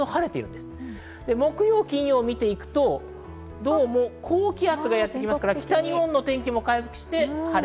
木曜、金曜を見ていくとどうも高気圧がやってきますから、北日本の天気も回復して晴れ。